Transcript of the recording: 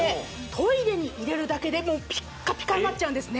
トイレに入れるだけでピッカピカになっちゃうんですね